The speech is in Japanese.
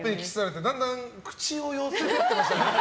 だんだん口を寄せて行ってましたよね。